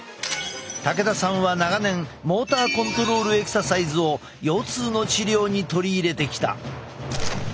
武田さんは長年モーターコントロールエクササイズを腰痛の治療に取り入れてきた。